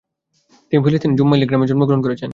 তিনি ফিলিস্তিনের জুম্মাইলি গ্রামে জন্মগ্রহণ করেছেন।